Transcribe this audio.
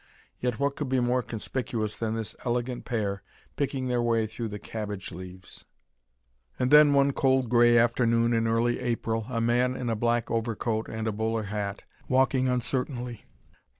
Yet what could be more conspicuous than this elegant pair, picking their way through the cabbage leaves? And then, one cold grey afternoon in early April, a man in a black overcoat and a bowler hat, walking uncertainly.